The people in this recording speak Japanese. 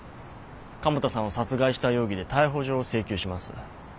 加茂田さんを殺害した容疑で逮捕状を請求します。